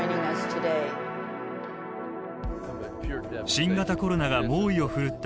新型コロナが猛威を振るった